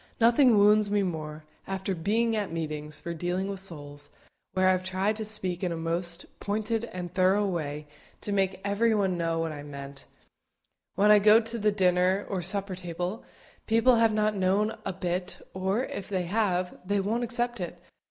Nothing wounds me more, after being at meetings for dealing with souls, where I have tried to speak in a most pointed and thorough way to make everybody know what I meant, when I go to the dinner or supper table, people have not known a bit, or, if they have, they won't accept it.